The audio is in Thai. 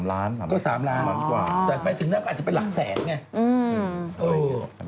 ก็๓ล้านกว่าแต่ไปถึงนั่นก็อาจจะเป็นหลักแสนไง